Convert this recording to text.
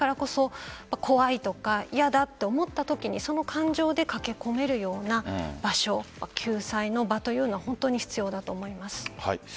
だからこそ怖いとか嫌だと思ったときにその感情で駆け込めるような場所、救済の場というのは本当に必要だと思います。